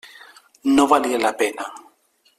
No valia la pena.